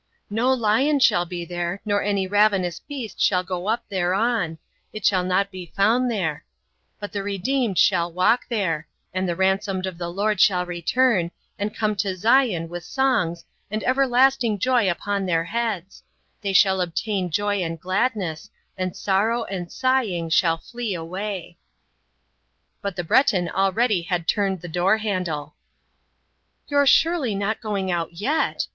No lion shall be there, nor any ravenous beast shall go up thereon, it shall not be found there; but the redeemed shall walk there: and the ransomed of the Lord shall return, and come to Zion with songs and everlasting joy upon their heads: they shall obtain joy and gladness, and sorrow and sighing shall flee away." But the Breton already had turned the door handle, "You're surely not going out yet!"